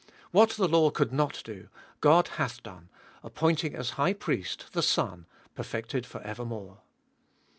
What the law could not do, God hath done, appointing as High Priest, the Son, perfected for evermore.